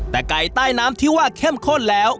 แต่ไก่ใต้น้ำที่ว่าเข้มข้นแล้ว